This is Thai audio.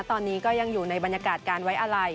ตอนนี้ก็ยังอยู่ในบรรยากาศการไว้อะไร